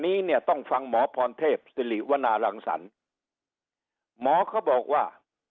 นี้เนี่ยต้องฟังหมอพรเทพศิริวนารังสรรค์หมอเขาบอกว่า